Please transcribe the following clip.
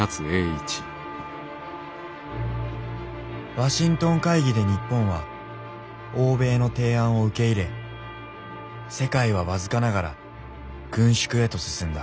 ワシントン会議で日本は欧米の提案を受け入れ世界は僅かながら軍縮へと進んだ。